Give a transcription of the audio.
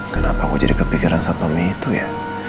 kenapa aku jadi kepikiran satpami itu ya